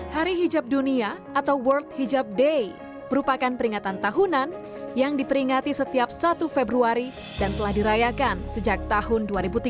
hari hijab dunia atau world hijab day merupakan peringatan tahunan yang diperingati setiap satu februari dan telah dirayakan sejak tahun dua ribu tiga belas